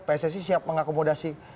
pssc siap mengakomodasi